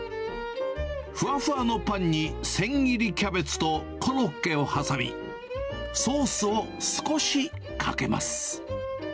ふわふわのパンに、千切りキャベツとコロッケを挟み、ソースを少しかけます。